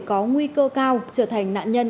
có nguy cơ cao trở thành nạn nhân